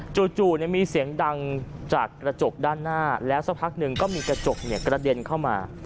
จู่มีเสียงดังจากกระจกด้านหน้าแล้วสักพักหนึ่งก็มีกระจกกระเด็นเข้ามา